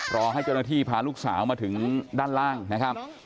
รอให้เจ้าหน้าที่พาลูกสาวมาถึงด้านล่างนะครับ